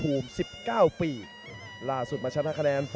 แล้วต่อพิกัดได้ครับทุกคนนะครับทุกคนนะครับ